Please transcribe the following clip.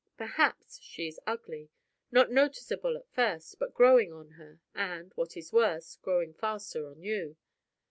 Perhaps she is ugly not noticeable at first, but growing on her, and (what is worse) growing faster on you.